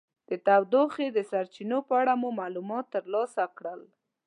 د تودوخې د سرچینو په اړه مو معلومات ترلاسه کړل.